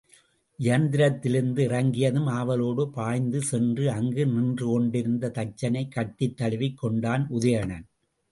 இயந்திரத்திலிருந்து இறங்கியதும் ஆவலோடு பாய்ந்து சென்று அங்கு நின்று கொண்டிருந்த தச்சனைக் கட்டித் தழுவிக் கொண்டான் உதயணன்.